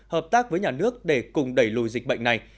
hợp tác với nhà nước để cùng đẩy lùi dịch bệnh này